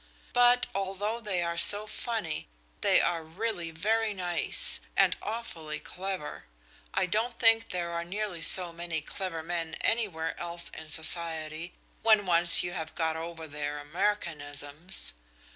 "But although they are so funny, they are really very nice, and awfully clever. I don't think there are nearly so many clever men anywhere else in society, when once you have got over their Americanisms.